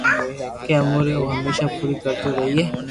ڪہ اموري او ھميسہ پوري ڪرتو رھئي